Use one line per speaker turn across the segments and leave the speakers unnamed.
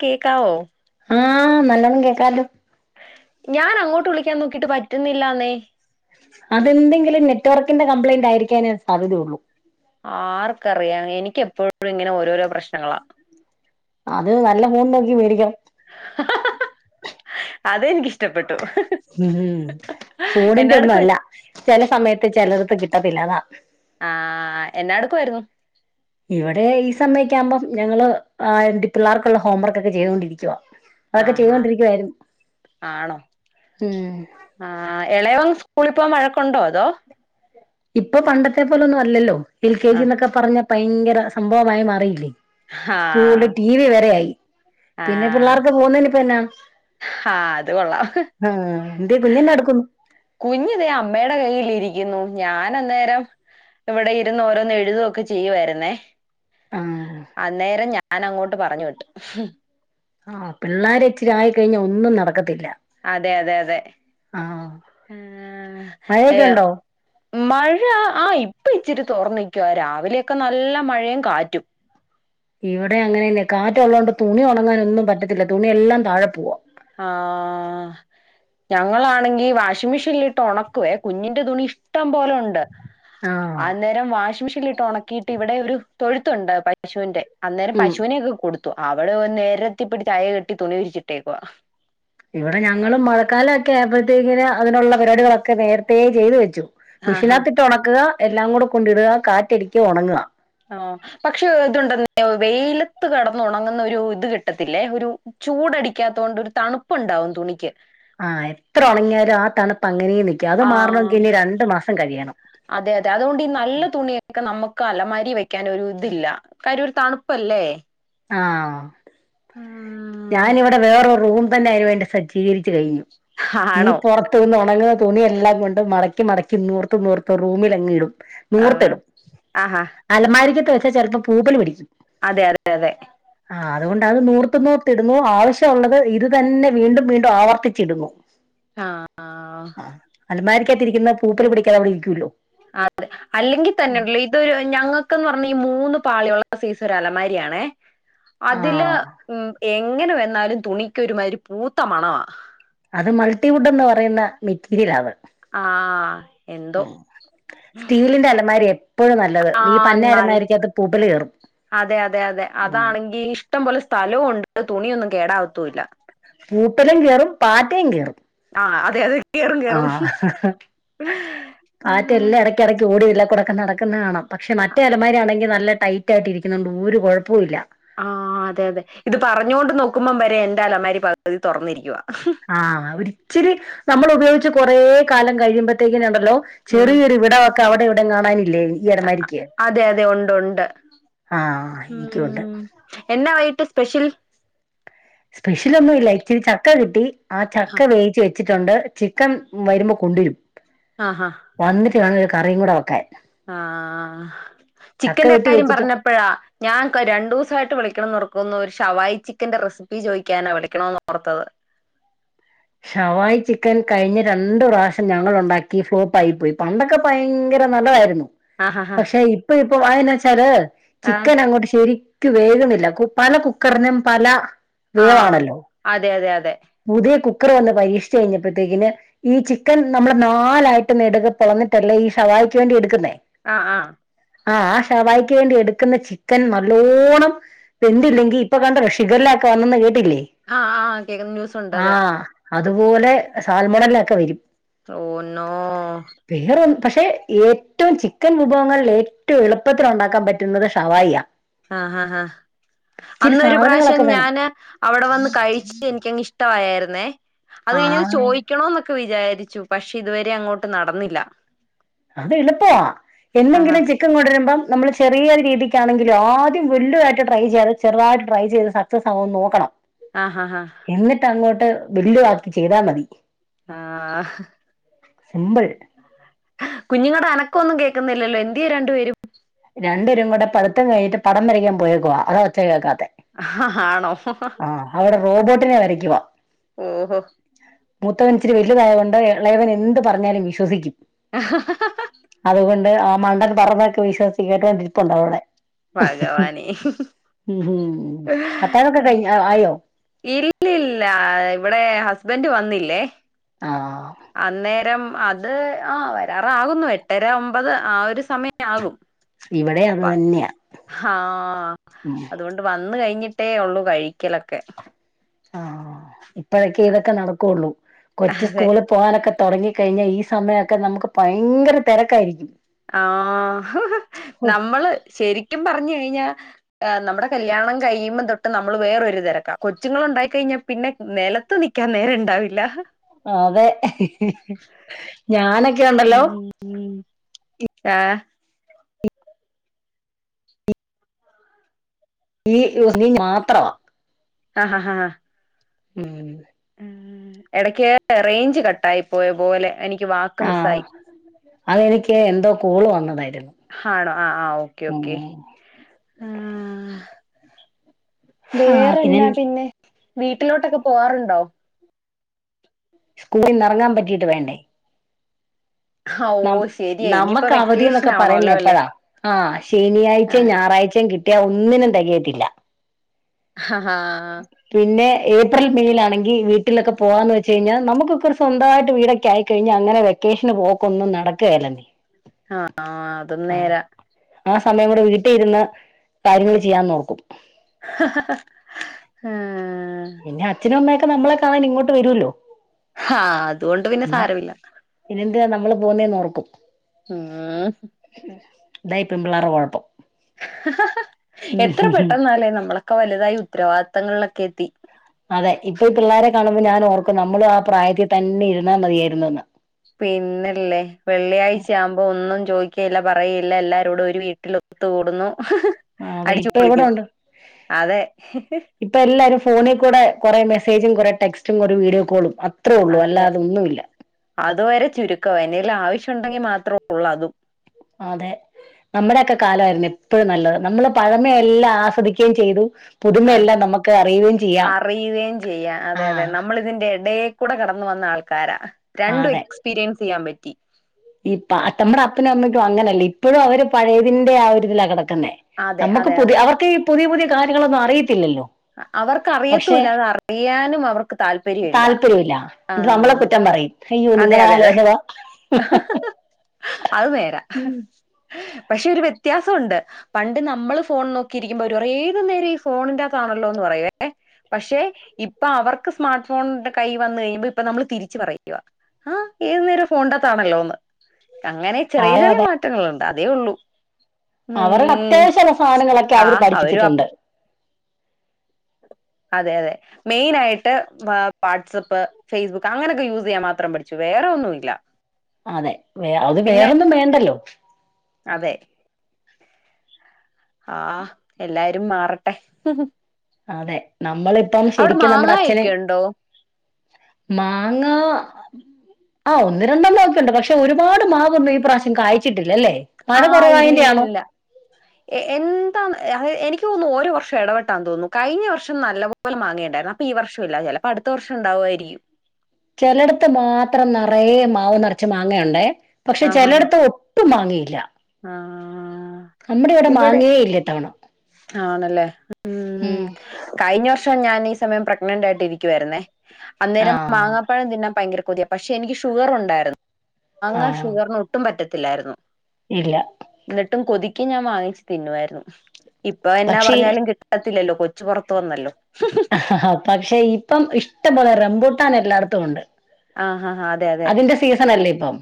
കേക്കാവോ?
ആഹ് നല്ലോണം കേക്കാലോ
ഞാൻ അങ്ങോട്ട് വിളിക്കാൻ നോക്കിട്ട് പറ്റുന്നില്ലാന്നേ.
അതെന്തെങ്കിലും നെറ്റ് വർക്കിന്റെ കംപ്ലയിന്റ് ആയിരിക്കാനേ സാധ്യതയുള്ളൂ.
ആർക്കറിയാം എനിക്ക്‌ എപ്പോഴും ഇങ്ങനെ ഓരോരോ പ്രശ്നങ്ങളാ.
അത് നല്ല ഫോൺ നോക്കി മേടിക്കണം
അതെനിക്കിഷ്ടപ്പെട്ടു.
ഉം ഫോണിന്റെ ഒന്നും
എന്നാടുക്കുവാ
അല്ല ചില സമയത്ത് ചിലർക്ക് കിട്ടത്തില്ല അതാ.
ആഹ് എന്നാ എടുക്കുവായിരുന്നു.
ഇവിടെ ഈ സമയം ഒക്കെ ആകുമ്പം ഞങ്ങള് ഏഹ് പിള്ളേർക്കുള്ള ഹോംവർക്ക് ഒക്കെ ചെയ്തോണ്ടിരിക്കുവാ. ചെയ്തൊണ്ടിരിക്കുവാ. അതൊക്കെ
ആഹാ
ചെയ്തോണ്ടിരിക്കുവായിരുന്നു ഉം.
ആഹ് ഇളയവള് സ്കൂളിപ്പോവാൻ വഴക്കുണ്ടോ അതോ.
ഇപ്പൊ പണ്ടത്തെ പോലൊന്നും അല്ലല്ലോ. എൽ കെ
ആ
ജി എന്നൊക്കെ പറഞ്ഞ ഭയങ്കര സംഭവമായി മാറിയില്ലേ.
ആ
സ്കൂളി ടി വി വരെ ആയി.
ആ
പിന്നെ പിള്ളേർക്ക്‌ പോകുന്നേനിപ്പം എന്നാ
ആ അത് കൊള്ളാം
ആഹ് എന്തേ കുഞ് എന്നാ എടുക്കുന്നു.
കുഞ്ഞ് തേ അമ്മയുടെ കയ്യിലിരിക്കുന്നു ഞാൻ അന്നേരം. ഇവിടെ ഇരുന്ന് ഓരോന്ന് എഴുതൊക്കെ ചെയ്യുവായിരുന്നേ.
ആഹ്
അന്നേരം ഞാൻ അങ്ങോട്ട് പറഞ്ഞു വിട്ടു
ആഹ് പിള്ളേര് ഇച്ചിരി ആയി കഴിഞ്ഞാ ഒന്നും നടക്കത്തില്ല.
അതെ അതെ അതെ
ആഹ്
ആഹ്
മഴയൊക്കെ
അയ്യോ.
ഉണ്ടോ
മഴ ആഹ് ഇപ്പ ഇച്ചിരി തുറന്നിക്ക രാവിലെയൊക്കെ നല്ല മഴയും കാറ്റും.
ഇവിടെ അങ്ങനെന്നെ കാറ്റ് ഉള്ളതോണ്ട് തുണി ഉണങ്ങാനൊന്നും പറ്റത്തില്ല തുണിയെല്ലാം താഴെ പോവാ
ആഹ് ഞങ്ങളാണെങ്കി വാഷിംഗ് മെഷീനിലിട്ട് ഒണക്കുവേ കുഞ്ഞിന്റെ തുണി. ഇഷ്ടം പോലുണ്ട്
ആഹ്
അന്നേരം വാഷിംഗ് മെഷീനില് ഇട്ട് ഒണക്കിയിട്ട് ഇവിടെ ഒരു തൊഴുത്തുണ്ട് പ ശൂന്റെ അന്നേരം
ഉം
പശുവിനെക്കെ കൊടുത്തു. അവിടെ നേരത്തിപ്പിടിച്ച് അയ കെട്ടി തുണി വിരിച്ചിട്ടേക്കുവാ
ഇവിടെ ഞങ്ങള് മഴക്കാലൊക്കെ ആയപ്പോഴത്തേക്കിന് അതിനുള്ള പരിപാടികളൊക്കെ നേരത്തേ ചെയ്തു വെച്ചു.
ആഹാ
മിഷീനകത്തിട്ട് ഉണക്കുക. എല്ലാം കൂടെ കൊണ്ടിടുക. കാറ്റടിക്കുക ഉണങ്ങുക.
ആഹ് പക്ഷെ ഇതുണ്ടല്ലോ വെയിലത്ത് കിടന്ന് ഉണങ്ങുന്ന ഒരു ഇത് കിട്ടത്തില്ലേ ഒരു ചൂടടിക്കാത്ത കൊണ്ട് ഒരു തണുപ്പുണ്ടാവും തുണിക്ക്.
ആഹ് എത്ര ഉണങ്ങിയാലും ആ തണുപ്പ് അങ്ങനെയും നിൽക്കും അത്
ആഹ്
മാറണോങ്കിൽ ഇനി രണ്ടു മാസം കഴിയണം.
അതെ അതെ അതുകൊണ്ട് ഈ നല്ല തുണിയൊക്കെ നമുക്ക് അലമാരി വെക്കാൻ ഒരു ഇതില്ല. കാര്യം തണുപ്പല്ലേ
ആഹ്
ഉം,
ഞാനിവിടെ വേറൊരു റൂം തന്നെ അതിന് വേണ്ടി സജ്ജീകരിച്ചു കഴിഞ്ഞു. ഈ
ആണോ
പൊറത്ത്. ന്ന്ന് ഉണങ്ങുന്ന തുണിയെല്ലാം കൊണ്ട് മടക്കി മടക്കി നൂർത്ത് നൂർത്ത് റൂമിൽ അങ്‌ ഇടും.
ആഹ്
നൂർത്തിടും
ആഹാ
അലമാരിക്കകത്തെ വെച്ചാൽ ചിലപ്പോം പൂപ്പൽ പിടിക്കും.
അതെ അതെ അതെ.
ആ അതുകൊണ്ട് അത് നൂർത്ത് നൂർത്തിടുന്നു ആവശ്യമുള്ളത് ഇത് തന്നെ വീണ്ടും വീണ്ടും ആവർത്തിച്ചിടുന്നു.
ആഹ്
ആ അലമാരിക്കകത്തിരിക്കുന്ന പൂപ്പല് പിടിക്കാതെ ഇവിടെ ഇരിക്കോല്ലോ.
അതെ. അല്ലെങ്കിൽ തന്നെ ഇണ്ടല്ലോ ഇത് ഒരു ഞങ്ങൾക്ക്ന്ന് പറഞ്ഞ ഈ മൂന്ന് പാളിയുള്ള സൈസ് ഒരു അലമാരിയാണേ.
ആ
അതില് ഉം എങ്ങനെ വന്നാലും തുണിക്ക് ഒരുമാതിരി പൂത്ത മണവാ.
അത് മൾട്ടിവുഡ് എന്ന് പറയുന്ന മെറ്റീരിയലാണ്.
ആഹ് എന്തോ.
സ്റ്റീലിന്റെ അലമാരെ എപ്പഴും നല്ലത് ഈ
ആഹ്
പന്ന
നൽ
അലമാരിക്കകത്ത് പൂപ്പൽ കയറും.
അതെ അതെ അതെ അതാണെങ്കി ഇഷ്ടംപോലെ സ്ഥലവും ഉണ്ട്. തുണിയൊന്നും കേടാവത്തൂല്ല.
പൂപ്പലും കയറും പാറ്റയും കയറും.
ആഹ് അതെ അതെ കയറും കേയറും. അല്ലാഹ്
കെടയ്ക്ക് ഓടിയില്ല തൊറക്ക്ന്ന് അടക്കുന്നെ കാണാം പക്ഷ മറ്റേ അലമാരിയാണെങ്കിൽ നല്ല ടൈറ്റ് ആയിട്ട് ഇരിക്കുന്നത് കൊണ്ട് ഒരു കൊഴപ്പവും ഇല്ല.
ആ അതെ അതെ ഇത് പറഞ്ഞോണ്ട് നോക്കുമ്പം വരെ എന്റെ അലമാരി പകുതി തുറന്നിരിക്കുവാ.
ആഹ് ഒരിച്ചിരി നമ്മൾ ഉപയോഗിച്ച് കൊറെ കാലം കഴിയുമ്പത്തേക്കിനി ഉണ്ടല്ലോ.
ഉം
ചെറിയൊരു ഇവിടൊ ഒക്കെ അവിടിം ഇവിടം കാണാനില്ലേ. ഈ അലമാരിക്ക്
അതെ അതെ ഉണ്ട് ഉണ്ട്
ആഹ് എനിക്കുണ്ട്
ഉം. എന്നാ വൈകീട്ട് സ്പെഷ്യൽ.
സ്പെഷ്യലൊന്നും ഇല്ല ഇച്ചിരി ചക്ക കിട്ടി. ആ ചക്ക വേവിച്ച് വെച്ച് ച്ചിട്ടുണ്ട് ചിക്കൻ വരുമ്പോ കൊണ്ടെരും.
ആഹ് ആഹ്
വന്നിട്ട് വാണം ഒര് കറിം കൂടെ വെക്കാൻ.
ആഹ്
ചക്ക
ചിക്കന്റെ
വെട്ടി
കാര്യം
വെച്ചിട്ട്
പറഞ്ഞപ്പഴാ. ഞാൻ ഇപ്പം രണ്ടൂസായിട്ട് വിളിക്കണോന്നോറ്ക്കുന്നു ഒരു ഷവായ് ചിക്കന്റെ റെസിപ്പി ചോയിക്കാനാ വിളിക്കണോന്നോർത്തത്.
ഷവായി ചിക്കൻ കഴിഞ്ഞ രണ്ടു പ്രാശ്യം ഞങ്ങളുണ്ടാക്കി ഫ്ലോപ്പായി പോയി. പണ്ടൊക്കെ ഭയങ്കര നല്ലതായിരുന്നു.
ആഹ് ആഹ്
പക്ഷെ ഇപ്പൊ ഇപ്പൊ വ അയന്നെച്ചാല്
ആഹ്
ചിക്കനങ്ങോട്ട് ശരിക്ക് ക്ക് വേക്ന്നില്ല കു പല കുക്കറിനും പല
ആഹ്
വേവാണല്ലോ
അതെ അതെ അതെ
പുതിയ കുക്കർ വന്ന് പരീക്ഷിച്ച് കഴിഞ്ഞപ്പയത്തേക്കിന് ഈ ചിക്കൻ നമ്മള് നാലായിട്ട് നെടുകെ പൊളന്നിട്ടല്ലേ ഈ ഷവായ്ക്ക് വേണ്ടി ഇടുക്കുന്നേ.
ആഹ് ആഹ്
ആഹ് ആ ഷവായിക്ക് വേണ്ടി എടുക്കുന്ന ചിക്കൻ നല്ലോണം വെന്തില്ലെങ്കി ഇപ്പൊ കണ്ടോ ശിഖല്ലാക്ക വന്നെന്ന് കേട്ടില്ലേ?
ആഹ് ആഹ് കേക്ക്ന്നുണ്ട്
ആഹ് അതുപോലെ സാൽമണലൊക്കെ വരും.
ഓഹ് നോ
വേറെൻ പക്ഷേ ഏറ്റവും ചിക്കൻ വിഭവങ്ങൾ ഏറ്റവും എളുപ്പത്തിലുണ്ടാക്കാൻ പറ്റുന്നത് ഷവായിയാ.
ആഹ് ആഹ് ആഹ്
ഇച്ചിരി
അന്നൊരു പ്രാശ്യം
സാധനങ്ങളൊക്കെ വേണം
ഞാന് അവ്ടെ വന്ന് കഴിച്ച് എനിക്കങ് ഇഷ്ടമായാര്ന്നേ അത് കഴിഞ്ഞത്
ആഹ്
ചോയി യിക്കണോന്നൊക്കെ വിചാരിച്ചു പക്ഷെ ഇതുവരെ അങ്ങോട്ട് നടന്നില്ല.
അതെളുപ്പവാ
ആഹാ
എന്നെങ്കിലു ചി ക്കൻ കൊണ്ടരുമ്പോ നമ്മൾ ചെറിയൊര് രീതിക്കാണെങ്കിലും ആദ്യം വല്ലുതായിട്ട് ട്രൈ ചെയ്യാതെ ചെറുതായിട്ട് ട്രൈ ചെയ്ത് സ ക്സാവോ നോക്കണം.
ആഹ് ആഹ് ആഹ്
എന്നിട്ടങ്ങോട്ട് വെല്ലുവാക്കി ചെയ്താ മതി.
ആഹ്
സിമ്പിൾ
കുഞ്ഞുങ്ങടെ അനക്കൊന്നും കേക്കുന്നില്ലല്ലോ എന്ത്യേ രണ്ടു പേരും?
രണ്ട് പേരും കൂടെ പഠിത്തം കഴിഞ്ഞിട്ട് പടം വരയ്ക്കാൻ പോയേക്കുവാ. അതാ ഒച്ച കേക്കാത്തെ.
ആണോ
ആഹ് അവ്ടെ റോബോട്ടിനെ വരയ്ക്കുവാ.
ഓഹോ
മുത്തവൻ ഇച്ചിരി വലുതായതോണ്ട് എളയവൻ എന്ത് പറഞ്ഞാലും വിശ്വസിക്കും.
അഹഹഹ
അതുകൊണ്ട് ആ മണ്ടൻ പറഞ്തൊക്കെ വിശ്വസിച്ച്കേട്ടോണ്ടിരിപ്പുണ്ടവ്ടെ.
ഭഗവാനെ
ഉം ഉം അത്താഴൊക്കെ കഴിഞ്ഞേ ആയോ?
ഇല്ലല്ലില്ലാ ഇവടെ ഹസ്ബൻ്റ് വന്നില്ലേ.
ആഹ്
അന്നേരം അ ത് ആഹ് വരാറാകുന്നു എട്ടര ഒമ്പത് ആ ഒരു സമയാകും.
ഇവടി അത് തെന്നാ.
ആഹ് അതുകൊണ്ട് വന്ന് കഴിഞ്ഞിട്ടേ ഒള്ളൂ കഴിക്കലൊക്കെ.
ആഹ് ഇപ്പഴൊക്കെ ഇതൊക്കെ നടക്കുള്ളൂ. കൊച്ച്
അതെ
സ്കൂള് പോആനൊക്കെ തൊടങ്ങി കഴിഞാ ഈ സമയൊക്കെ നമുക്ക് ഭയങ്കര തെരക്കായിരിക്കും.
ആഹ് നമ്മള് ശരിക്കും പറഞ് കഴിഞ്ഞാ നമ്മടെ കല്യാണം കഴിയുമ്പം തൊട്ട് നമ്മള് വേറൊരുതെരക്ക. കൊച്ചുങ്ങളുണ്ടായി കഴിഞ്ഞാ പിന്നെ നെലത്ത് നിക്കാൻ നേരണ്ടാവില്ല.
അതെ ഞാനൊക്കെണ്ടല്ലോ
ഉം ആഹ്
ഈ ഉരുളി മാത്രവാ
അഹാ ഹാ ഹാ
ഉം
ഉം എടക്ക് റെയിഞ്ച് കട്ടായിപ്പോയ പോലെ എനിക്ക് വാക്ക് മിസ്സായി
അതെനിക്കെ എന്തോ കോള് വന്നതായിരുന്നു
ആണോ ആഹ് ആഹ് ഓക്കെ
ഉം
ഓക്കെ
ഉം
ആഹ് വേറെന്നാ പിന്നെ വീട്ടിലോട്ടൊക്കെ പോവാറുണ്ടോ
സ്കൂളിന്ന് ഇറങ്ങാൻ പറ്റിയിട്ട് വേണ്ടെ
ഓ
ന
ശരിയാ ഇനിയിപ്പോ
നമ്മക്ക് അവധി
വെക്കേഷൻ
എന്നൊക്കെ പറയുന്നേ
ആവണല്ലോ അല്ലേ
എപ്പഴാ ആഹ് ശനിയാഴ്ചയും
ആഹ്
ഞായറാഴ്ചയും കിട്ടിയ ഒന്നിനും തികയത്തില്ല
ആഹാ ആഹാ
പിന്നെ ഏപ്രിൽ മെയിലാണെങ്കിൽ വീട്ടിലൊകെ പോകാന്ന് വെച്ച് കഴിഞ്ഞാൽ നമുക്കൊക്കെ ഒരു സ്വന്തമായിട്ട് വീടൊക്കെ ക്കെ ആയിക്കഴിഞ്ഞ അങ്ങനെ വെക്കേഷന് പോക്ക് ഒന്നും നടക്കുകയല്ലന്നെ
ആഹ് അതും നേരാ
ആ സമയം കൂടെ വീട്ടിൽ ഇരുന്ന് കാര്യങ്ങൾ ചെയ്യാൻ നോക്കും
ആഹ്
പിന്നെ അച്ഛനും അമ്മയൊക്കെ നമ്മളെ കാണാൻ ഇങ്ങോട്ട് വരുവല്ലോ
ആഹ് അതുകൊണ്ട് പിന്നെ സാരമില്ല
പിന്നെന്തിനാ നമ്മള് പോകുനെന്ന് ഓർക്കും
ആഹ്
ഇതാ ഈ പെൺപിള്ളേറെ കുഴപ്പം
എത്ര
ഉം
പെട്ടെന്നല്ലേ നമ്മളൊക്കെ വലുതായി ഉത്തരവാദിത്തങ്ങളിലൊക്കെ എത്തി
അതെ ഇപ്പൊ ഈ പിള്ളേരെ കാണുമ്പോ ഞാൻഓർക്കും നമ്മള് ആ പ്രായത്തിൽ തന്നെ ഇരുന്നാൽ മതിയായിരുന്നുന്ന്
പിന്നല്ലേ വെള്ളിയാഴ്ച ആവുമ്പോ ഒന്നും ചോദിക്കയില്ല പറയയില്ല എല്ലാരോടും ഒരു വീട്ടിലും ഒത്തു കൂടുന്നു
അതെ
അടിച്ചു
ഇപ്പൊ എവിടെ
പൊളിക്കുന്നു
ഉണ്ട്
അതെ
ഇപ്പൊ എല്ലാരും ഫോണിൽ കൂടെ കുറെേ മെസ്സേജും കുറെേ ടെക്സ്റ്റും കുറെ വീഡിയോ കോളും അ അത്രേ ഒള്ളൂ
അതെ
അല്ലാതെ ഒന്നുമില്ല
അതുവരെ ചുരുക്കവാ എന്തെങ്കിലും ആവശ്യം ഉണ്ടെങ്കിൽ മാത്രമേ ഒള്ളൂ അതും
അതെ നമ്മുടെക്കെ കാലായിരുന്നു എപ്പഴും നല്ലത് നമ്മള് പഴമേ എല്ലാം ആസ്വദിക്കുകയും ചെയ്തു ഇന്ന് എല്ലാം നമുക്ക് അറി
അറിയുകയും ചെയ്യാം അതെ അതെ
ആഹ്
നമ്മളിതിന്റെ എടേക്കൂടെ കടന്നു വന്ന ആൾക്കാരാ രണ്ടും
അതെ
എക്സ്പീരിയൻസ് ചെയ്യാൻ പറ്റി
ഈ പ്പാ നമ്മുടെ അപ്പനും അമ്മയ്ക്കും അങ്ങനെയല്ല ഇപ്പഴും അവര് പഴയതിന്റെ ആ ഒരുരിതിലാ കെടക്ക്ന്നേ
അതെ
നമ്മക്ക്
അതെ അതെ
പുതിയ അവർക്ക് ഈ പുതിയ പുതിയ കാര്യങ്ങളൊന്നും അറിയത്തില്ലല്ലോ
അവർക്ക്
പക്ഷെ
അറിയത്തൂല്ല അത അറിയാനും അവർക്ക് താല്പര്യമില്ല
താല്പര്യമില്ല എന്നിട്ട് നമ്മളെ
ആഹ്
കുറ്റം പറയും അയ്യോ
അതെ
നിങ്ങളെ
അതെ അതെ
ആലോചന
അത് നേരാ പക്ഷെ ഒരു വ്യത്യാസവുണ്ട് പണ്ട് നമ്മള് ഫോൺ നോക്കിയിരിക്കുമ്പോ അവര് പറയും ഏത് നേരവും ഈ ഫോണിന്റെകത്താണല്ലോ എന്ന് പറയേ പക്ഷെ ഇപ്പൊ അവർക്ക് സ്മാർട്ട് ഫോണിന്റെ കൈ വന്ന് കഴിയുമ്പോ ഇപ്പൊ നമ്മൾ തിരിച്ചു പറയും യുവാ ആഹ് ഏത് നേരവും ഫോണിൻ്റാത്താണല്ലോന്ന് അങ്ങനെ ചെറിയ
അതെ
ചെറിയ
അതെ
മാ റ്റങ്ങളുണ്ട് അതേ ഒള്ളൂ
അവരുടെ അത്യാവശ്യള്ള സാനങ്ങളൊക്കെ അവര്
ആഹ് അവരും അപ്
പഠിച്ചിച്ചിട്ടുണ്ട്
അതെ അതെ മെയിനായിട്ട് വാട്സപ്പ് ഫേസ്ബുക്ക് അങ്ങനെയൊക്കെ യൂസ് ചെയ്യാൻ മാത്രം പഠിച്ചു വേറെ ഒന്നും ഇല്ല
അതെ വേ അത് വേറൊന്നും വേണ്ടല്ലോ
അതെ ആഹ് എല്ലാരും മാറട്ടെ
അതെ നമ്മളിപ്പം
അവിടെ
ശരിക്കും നമ്മുടെ അച്ഛന്
മാങ്ങായൊക്കെ ഉണ്ടോ
മാങ്ങാ ആഹ് ഒന്ന് രണ്ടണ്ണം ഒക്കെയുണ്ട് പക്ഷെ ഒരുപാട് മാവൊന്നും ഈ പ്രാവശ്യം കായ്ച്ചിട്ടില്ലല്ലേ മഴ
ആ
കൊറവായതിന്റെയാണ്
ഇല്ലില്ലില്ല എ എന്താ അത് എനിക്ക് തോന്നുന്നു ഓരോ വർഷം എടവെട്ടാന്ന് തോന്നുന്നു കഴിഞ്ഞ വർഷം നല്ല പോല മാങ്ങേണ്ടായിരുന്നു അപ്പ ഈ വർഷവില്ല ചെലപ്പടുത്ത വർഷണ്ടാവായിരിക്കും
ചെലടത്ത് മാത്രം നറയെ മാവ് നറച്ച് മാങ്ങുയുണ്ടേ പക്ഷെ
ആഹ് ആഹ്
ചെലടത്ത് ഒ ട്ടും മാങ്ങയില്ല
ആഹ്
നമ്മടെവിടെ മാങ്ങേയില്ലത്തവണ
ആണ്ല്ലേ ഉം കഴിഞ്ഞ വർ ഷം ഞാനീ സമയം പ്രഗ്നന്റായിട്ടിരിക്കുവായിരുന്നേ അന്നേരം
ആഹ്
മാങ്ങാപ്പഴം തിന്നാൻ ഭയങ്കര കൊതിയ പക്ഷെ എനിക്ക് ഷുഗറുണ്ടായിരുന്നു മാങ്ങാ
ആഹ്
ഷുഗറിന് ഒട്ടും പറ്റത്തില്ലായിരുന്നു
ഇല്ല
ന്നട്ടും കൊതിക്കി ഞാൻ വാങ്ങിച്ചു തിന്നുവായിരുന്നു ഇപ്പൊ എന്നാ
പക്ഷേ
പറഞ്ഞാലും കി ട്ടത്തില്ലല്ലോ കൊച്ചു പൊറത്ത് വന്നല്ലോ
ഹ ഹ പക്ഷെ ഇപ്പം ഇഷ്ടംപോലെ റംബൂട്ടാൻ എല്ലാട്ത്തും ഉണ്ട്
ആഹ് ആഹ് അഹ് അതെയതെ
സീസണല്ലേ ഇപ്പം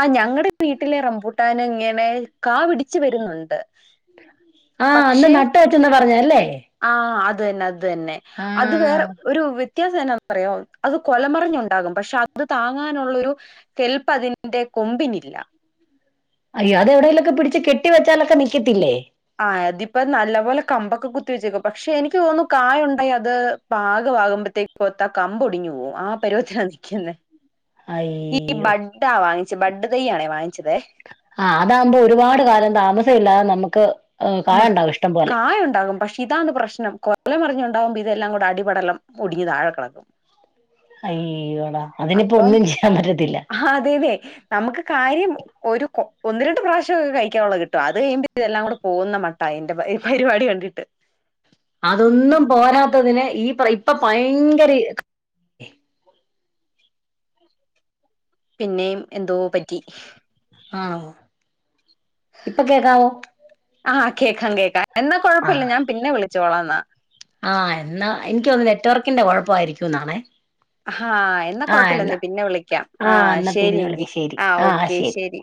ആഹ് ഞങ്ങടെ വീട്ടിലെ റംമ്പൂട്ടാനിങ്ങനെ കാ പിടിച്ച് വരുന്നുണ്ട്
ആഹ് അന്ന് നട്ട് വെച്ചന്ന് പറഞ്ഞ് അല്ലേ
ആഹ് അത് തന്നെ അത് തന്നെ അത് വേറെ
ആഹ്
ഒരു വി വ്യത്യാസം എന്നാ അറിയോ അത് കൊലമറിഞ്ഞുണ്ടാകും പക്ഷെ അത് താങ്ങാനുള്ളൊരു കെല്പ്പതി ന്റെ കൊമ്പിനില്ല
അയ്യ അതെവിടേലൊക്കെ പിടിച്ച് കെട്ടി വെച്ചാലൊക്കെ നിൽക്കത്തില്ലേ
ആഹ് അതിപ്പ നല്ല പോലെ കമ്പൊക്കെ കുത്തി വെച്ചേക്വ പക്ഷെ എനിക്ക് തോന്നുന്നു കായുണ്ടായി അത് പാക ആവുമ്പഴ്ത്തേ മ്പോത്ത കമ്പൊടിഞ്ഞു പോവും ആ പരുവത്തിലാ നിക്ക്ന്നെ ഈ
അയ്യോ
ബഡ്ഡാ വാങ്ങിച്ചെ ബഡ്ഡ് തയ്യാണേ വാങ്ങിച്ചതെ
ആ അതാകുമ്പോ ഒരുപാട് കാലം താമസല്ലാതെ നമ്മക്ക്
മ കായണ്ടാകും പക്ഷെ ഇതാണ് പ്രശ് നം കൊലമറിഞ്ഞുണ്ടാകുമ്പോ ഇതെല്ലാം കൂടി അടിപടലം ഒടിഞ് താഴെ കെടക്കും
അയ്യോടാ അതിനിപ്പൊ ഒന്നും ചെയ്യാമ്പറ്റത്തില്ല
ഹതേന്നെ നമ്മക്ക് കാര്യം ഒരു ഒന്ന് രണ്ട് പ്രാവശ്യക്കെ കഴിക്കാനുള്ളത് കിട്ടും അത് കഴിയുമ്പതെല്ലാം കൂടെ പോകുന്ന മട്ട അയ്ന്റെ പരിപാടി കണ്ടിട്ട്
അതൊന്നും പോരാത്തതിന് ഈ ഇപ്പൊ ഭയങ്കര ഈ
പിന്നെയും എന്തോ പറ്റി
ആഹ് ഇപ്പൊ കേക്കാവോ
ആഹ് കേക്കാം കേക്കാം എന്നാ കൊഴപ്പില്ല
ആഹ്
ഞാൻ പിന്നെ വിളിച്ചോളാന്നാ
ആഹ് എന്ന എനിക്കോന്നു നെറ്റ്വർക്കിന്റെ കൊഴപ്പായിരിക്കു ന്നാണെ
ഹാ എന്നാ കൊഴപ്പില്ലെന്നെ പിന്നെ വിളിക്കാം ആ
ആഹ് എന്നാ പിന്നെ
ശെരിയെങ്കി
വിളിക്ക ശരി
ആഹ് ഓക്കേ
ശരി
ശെരി